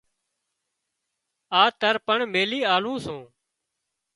آ تۯ پڻ ميلي آلوون سون